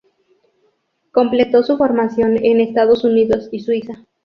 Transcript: Completó su formación en Estados Unidos y Suiza.